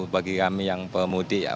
bagi kami yang pemudik ya